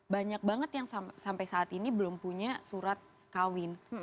banyak banget yang sampai saat ini belum punya surat kawin